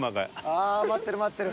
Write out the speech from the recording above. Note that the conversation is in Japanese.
ああ待ってる待ってる。